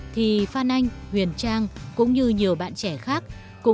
thì phan anh huyền trang cũng như nhiều bạn trẻ khác cũng